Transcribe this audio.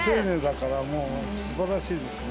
もうすばらしいですね。